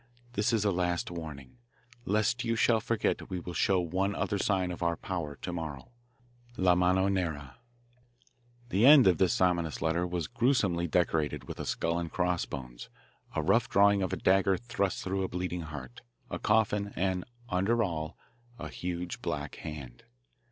This is a last warning. Lest you shall forget we will show one other sign of our power to morrow. La MANO NERA. The end of this ominous letter was gruesomely decorated with a skull and cross bones, a rough drawing of a dagger thrust through a bleeding heart, a coffin, and, under all, a huge black hand.